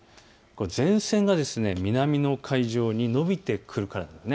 前線が南の海上に延びてくるからなんです。